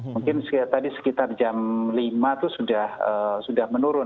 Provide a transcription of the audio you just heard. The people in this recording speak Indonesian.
mungkin tadi sekitar jam lima itu sudah menurun